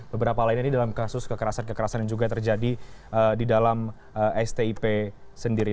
beberapa lainnya ini dalam kasus kekerasan kekerasan yang juga terjadi di dalam stip sendiri